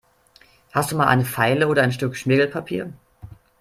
Hast du mal eine Feile oder ein Stück Schmirgelpapier?